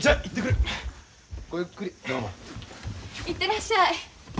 行ってらっしゃい。